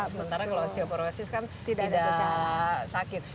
sementara kalau osteoporosis kan tidak sakit